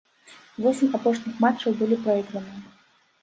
Восем апошніх матчаў былі прайграны.